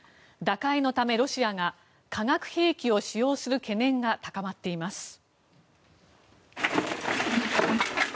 打開のためロシアが化学兵器を使用する懸念が高まっています。